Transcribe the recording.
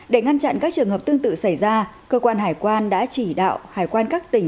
để ngăn chặn các trường hợp tương tự xảy ra cơ quan hải quan đã chỉ đạo hải quan các tỉnh